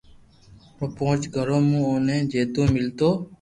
او پونچ گھرو مون اوني جيتو ميلتو